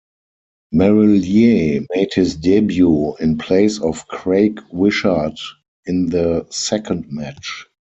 Marillier made his debut in place of Craig Wishart in the second match.